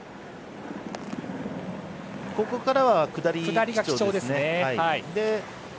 ここからは下り基調ですね。